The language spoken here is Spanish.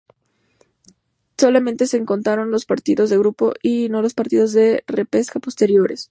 Solamente se contaron los partidos de grupo y no los partidos de repesca posteriores.